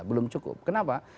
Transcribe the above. belum cukup kenapa